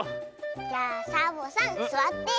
じゃあサボさんすわって。